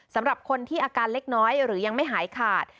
สำหรับคนที่อาการเล็กน้อยหรือยังไม่หายขาด